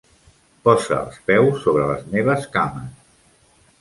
Posa els peus sobre les meves cames.